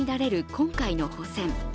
今回の補選。